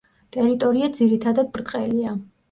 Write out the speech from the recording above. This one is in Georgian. ტერიტორია ძირითადად ბრტყელია.